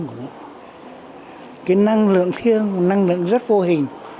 cái năng lượng thiêng năng lượng rất vô hình